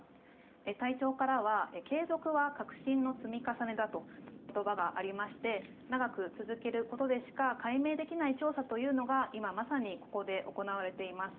隊長からは継続は革新の積み重ねだという言葉がありまして長く続けることでしか解明できない調査というのが今まさにここで行われています。